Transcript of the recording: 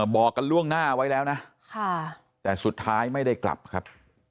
บอกกันล่วงหน้าไว้แล้วนะแต่สุดท้ายไม่ได้กลับครับ